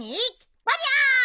バリアー！